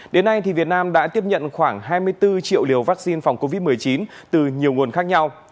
đến nay việt nam đã tiếp nhận khoảng hai mươi bốn triệu liều vaccine phòng covid một mươi chín từ nhiều nguồn khác nhau